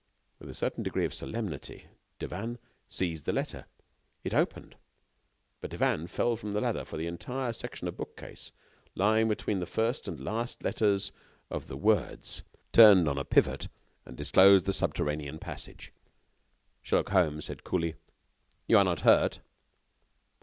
With a certain degree of solemnity, Devanne seized the letter. It opened, but Devanne fell from the ladder, for the entire section of the bookcase, lying between the first and last letters of the words, turned on a pivot and disclosed the subterranean passage. Sherlock Holmes said, coolly: "You are not hurt?"